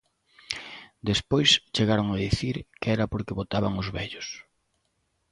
Despois chegaron a dicir que era porque votaban os vellos.